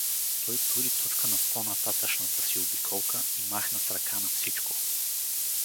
Той тури точка на по-нататъшната си обиколка и махна с ръка на всичко.